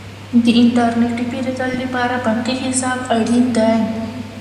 د انټرنیټي پیرودلو لپاره بانکي حساب اړین دی.